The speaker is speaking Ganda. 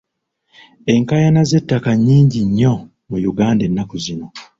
Enkaayana z'ettaka nnyingi nnyo mu Uganda ennaku zino.